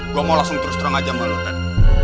gue mau langsung terus terang aja sama lo ted